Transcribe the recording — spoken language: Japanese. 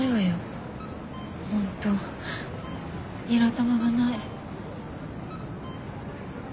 本当ニラ玉がない。